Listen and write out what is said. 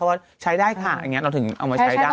เขาว่าใช้ได้ค่ะเราถึงเอามาใช้ได้